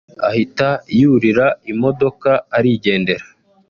ahita yurira imodoka arigendera